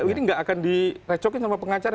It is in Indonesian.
ini nggak akan direcokin sama pengacara